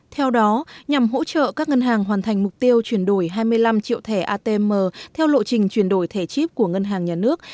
theo đó nhằm hỗ trợ các ngân hàng hoàn thành mục tiêu chuyển đổi hai mươi năm triệu thẻ atm theo lộ trình chuyển đổi thẻ chip của ngân hàng nhà nước